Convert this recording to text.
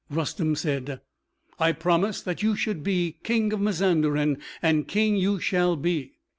Rustem said: "I promised that you should be King of Mazanderan, and King you shall be.